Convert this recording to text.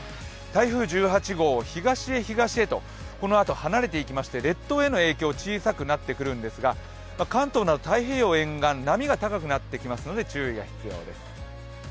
台風１８号、東へ東へとこのあと離れていきまして、列島への影響、小さくなってくるんですが関東など太平洋沿岸波が高くなってきますので注意が必要です。